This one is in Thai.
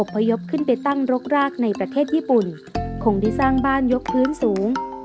พยพขึ้นไปตั้งรกรากในประเทศญี่ปุ่นคงได้สร้างบ้านยกพื้นสูง